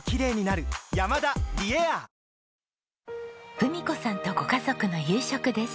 郁子さんとご家族の夕食です。